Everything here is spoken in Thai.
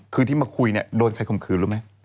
คือที่มาคุยเนี่ยโดนใครข่มขืนรู้ไหม